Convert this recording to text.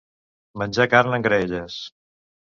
Menjar carn en graelles.